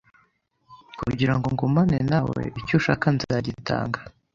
kugira ngo ngumane nawe icyo ushaka nzagitanga